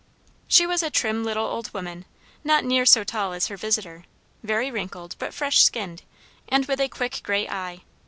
She was a trim little old woman, not near so tall as her visitor; very wrinkled, but fresh skinned, and with a quick grey eye.